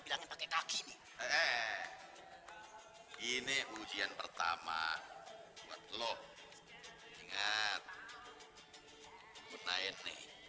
pakai kaki ini gini ujian pertama perteluh ingat where is the